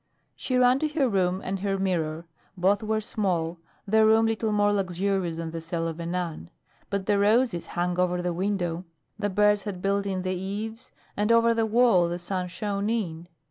She ran to her room and her mirror. Both were small, the room little more luxurious than the cell of a nun. But the roses hung over the window, the birds had built in the eaves, and over the wall the sun shone in.